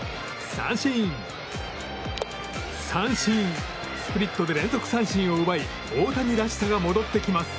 スプリットで連続三振を奪うなど大谷らしさが戻ってきます。